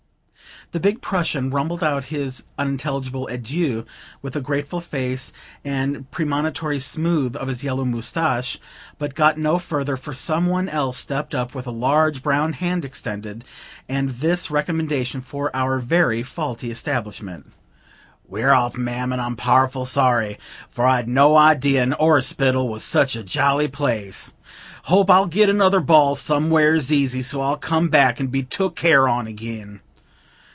The big Prussian rumbled out his unintelligible adieux, with a grateful face and a premonitory smooth of his yellow mustache, but got no farther, for some one else stepped up, with a large brown hand extended, and this recommendation of our very faulty establishment: "We're off, ma'am, and I'm powerful sorry, for I'd no idea a 'orspittle was such a jolly place. Hope I'll git another ball somewheres easy, so I'll come back, and be took care on again.